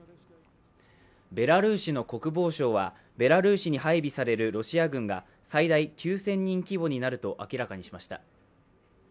ベラルーシの国防省はベラルーシに配備されるロシア軍が最大９０００人規模になると明らかにしました。